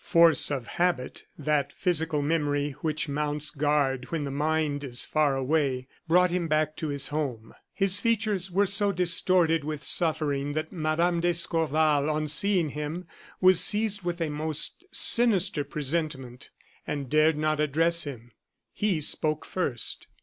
Force of habit that physical memory which mounts guard when the mind is far away brought him back to his home. His features were so distorted with suffering that Mme. d'Escorval, on seeing him, was seized with a most sinister presentiment, and dared not address him. He spoke first.